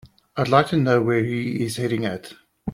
I'd like to know where he is heading at.